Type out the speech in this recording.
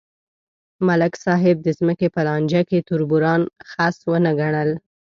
ملک صاحب د ځمکې په لانجه کې تربوران خس ونه ګڼل.